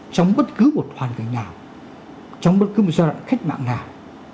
trong bất cứ một hoàn cảnh nào trong bất cứ một giai đoạn khách mạng nào